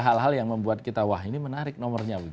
hal hal yang membuat kita wah ini menarik nomornya